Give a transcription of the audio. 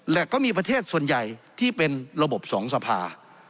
และก็มีประเทศส่วนใหญ่ที่เป็นระบบสองสภา